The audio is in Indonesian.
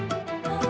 nih aku tidur